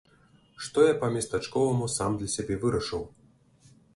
Што я па-местачковаму сам для сябе вырашыў.